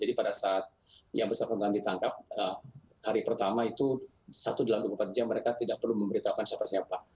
jadi pada saat yang bersangkutan ditangkap hari pertama itu satu dalam dua puluh empat jam mereka tidak perlu memberitahukan siapa siapa